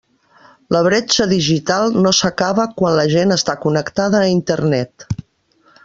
La bretxa digital no s'acaba quan la gent està connectada a Internet.